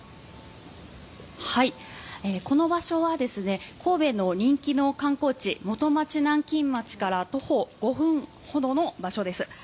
この場所は神戸の人気の観光地本町南京町から徒歩５分ほどの場所です。